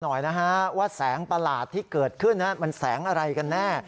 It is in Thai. หน่อยนะฮะว่าแสงประหลาดที่เกิดขึ้นมันแสงอะไรกันแน่